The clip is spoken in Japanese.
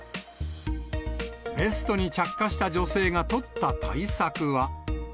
ベストに着火した女性が取った対策は。